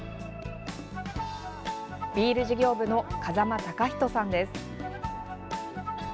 ビール事業部の風間貴仁さんです。